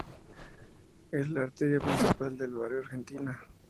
Es la arteria principal del Barrio Argentina.